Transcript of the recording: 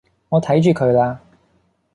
我睇住佢啦